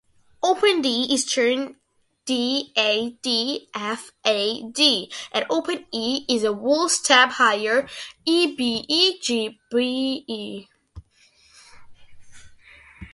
Open D is tuned "D-A-D-F-A-D", and open E is a whole-step higher: "E-B-E-G-B-E".